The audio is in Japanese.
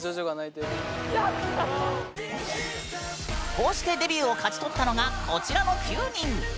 こうしてデビューを勝ち取ったのがこちらの９人。